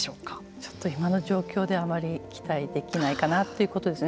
ちょっと今の状況ではあまり期待できないかなということですね。